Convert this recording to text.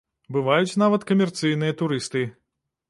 Бываюць нават камерцыйныя турысты.